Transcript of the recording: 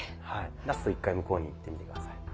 ラスト１回向こうにいってみて下さい。